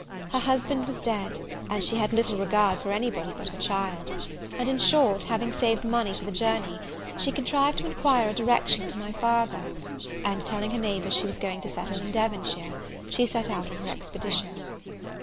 Her husband was dead, and she had little regard for any body but her child; and, in short, having saved money for the journey, she contrived to enquire a direction to my father; and, telling her neighbours she was going to settle in Devonshire, she set out on her expedition.